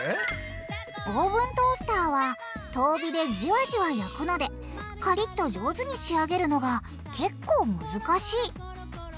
オーブントースターは遠火でじわじわ焼くのでカリッと上手に仕上げるのがけっこう難しい。